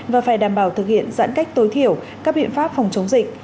và phải đảm bảo thực hiện giãn cách tối thiểu các biện pháp phòng chống dịch